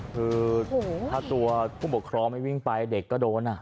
คือถ้าตัวผู้ปกครองไม่วิ่งไปเด็กก็โดน